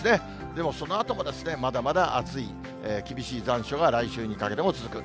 でもそのあともですね、まだまだ暑い、厳しい残暑が来週にかけても続く。